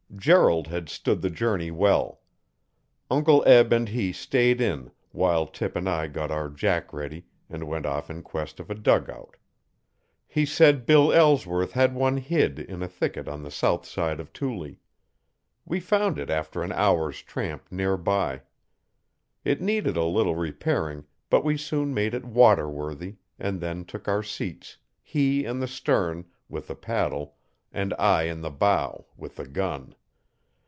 Gerald had stood the journey well. Uncle Eb and he stayed in while Tip and I got our jack ready and went off in quest of a dugout He said Bill Ellsworth had one hid in a thicket on the south side of Tuley. We found it after an hour's tramp near by. It needed a little repairing but we soon made it water worthy, and then took our seats, he in the stern, with the paddle, and I in the bow with the gun.